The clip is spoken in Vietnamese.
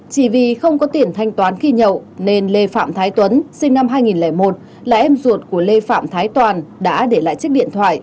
chỉ vì không có tiền thanh toán khi nhậu nên lê phạm thái tuấn sinh năm hai nghìn một là em ruột của lê phạm thái toàn đã để lại chiếc điện thoại